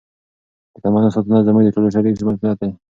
د تمدن ساتنه زموږ د ټولو شریک مسؤلیت دی.